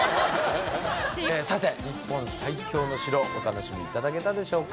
さて日本最強の城お楽しみ頂けたでしょうか。